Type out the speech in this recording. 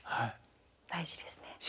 大事ですね。